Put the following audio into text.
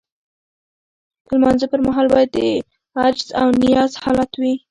د لمانځه پر مهال باید د عجز او نیاز حالت وي.